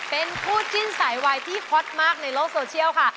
เป็นคู่จิ้นสายวายที่ฮอตมากในโลกโซเชียลค่ะ